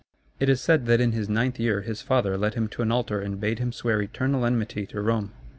It is said that in his ninth year his father led him to an altar and bade him swear eternal enmity to Rome.